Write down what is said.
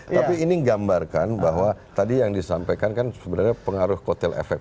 tapi ini gambarkan bahwa tadi yang disampaikan kan sebenarnya pengaruh kotel efek